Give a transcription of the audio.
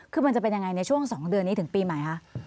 คือมันจะเป็นยังไงในช่วง๒เดือนนี้ถึงปีใหม่คะ